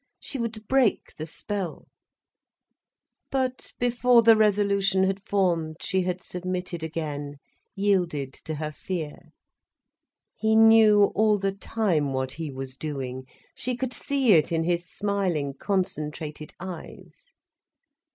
She would break the spell. But before the resolution had formed she had submitted again, yielded to her fear. He knew all the time what he was doing, she could see it in his smiling, concentrated eyes.